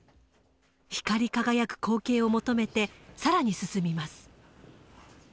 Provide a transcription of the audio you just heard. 光り輝く光景を求めて更に進みます。